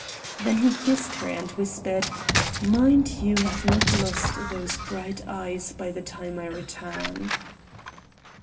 Then he kissed her and whispered: "Mind you have not lost those bright eyes by the time I return."